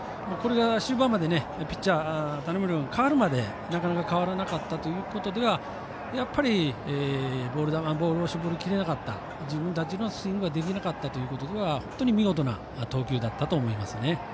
これが終盤までピッチャー種村君が代わるまでなかなか変わらなかったということではやっぱり、ボール球ボールを絞りきれなかった自分たちのスイングができなかったということでは本当に見事な投球だったと思います。